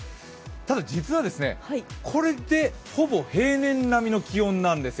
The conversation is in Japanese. ただ実はこれでほぼ平年並みの気温なんですよ。